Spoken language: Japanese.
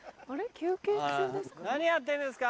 休憩中ですか？